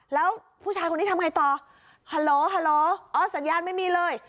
แล้วผู้ชายคนนี้ทำไงต่อฮัลโหลฮัลโหลอ๋อสัญญาณไม่มีเลย